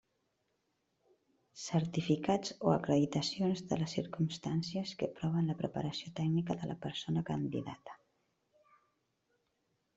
Certificats o acreditacions de les circumstàncies que proven la preparació tècnica de la persona candidata.